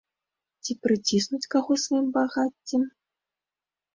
Ці прыціснуць каго сваім багаццем?